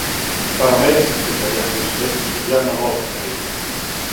Παραμέρισε εσύ τα κλαδιά, Χρήστο, και τον πιάνω εγώ, έλεγε.